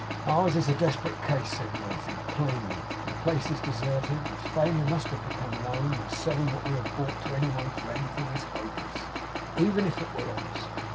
'Ours is a desperate case,' said Martin. 'Plainly. The place is deserted; its failure must have become known; and selling what we have bought to any one, for anything, is hopeless, even if it were honest.